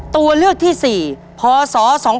ตัวเลือกที่๔พศ๒๕๖